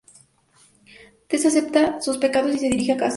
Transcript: Tess acepta sus pecados y se dirige a casa.